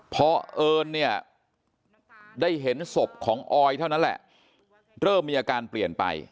พอเอิญเนี่ยได้เห็นศพของออยเท่านั้นแหละเริ่มมีอาการเปลี่ยนไป